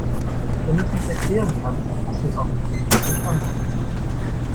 Wenn du es nicht erklären kannst, hast du es auch nicht richtig verstanden.